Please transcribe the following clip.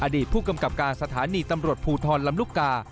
อดีตผู้กำกับการสถานีตำรวจภูทรลำลูกกา